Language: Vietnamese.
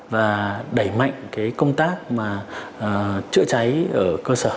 và đẩy mạnh cái công tác chữa cháy ở cơ sở